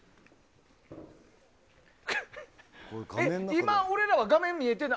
今、俺らは画面見えてた？